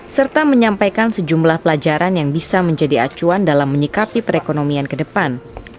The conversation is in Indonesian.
serta menyampaikan sejumlah pelajaran yang bisa menjadi acuan dalam menyikapi perekonomian ke depan